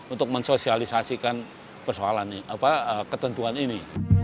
untuk mensosialisasikan persoalan ketentuan ini